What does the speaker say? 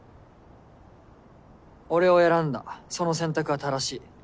俺を選んだその選択は正しい。